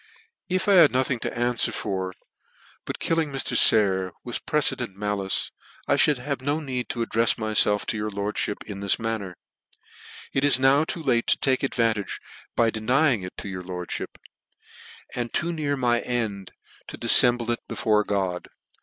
If I had nothing to anfwer for but killing Mr. Sayer with precedent malice, I mould have no need to addrefs myfelf to your lordfhip in this manner. It is now too late to take advantage by denying it to your lordfoip, and too near my end to RICHARD NOBLE for Murder. 16 1 to dififemble it before God.